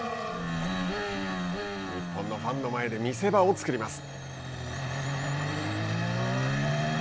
日本のファンの前で見せ場を作ります。